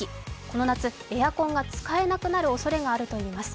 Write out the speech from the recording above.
この夏、エアコンが使えなくなるおそれがあるといいます。